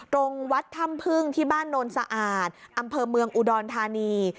ตรงวัดถ้ำพึ่งที่บ้านโนนสะอาดอำเภอเมืองอุดรธานี